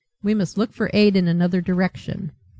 We must look for aid in another direction.